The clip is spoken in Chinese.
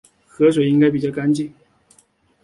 河水应该比较干净